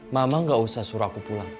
mama gak usah suruh aku pulang